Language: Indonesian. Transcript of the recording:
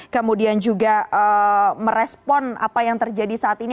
kemudian juga merespon apa yang terjadi saat ini